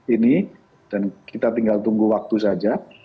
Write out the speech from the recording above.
ini dan kita tinggal tunggu waktu saja